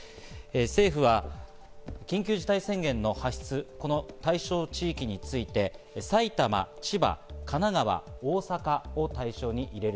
政府は緊急事態宣言の発出、この対象地域について、埼玉、千葉、神奈川、大阪を対象に入れる。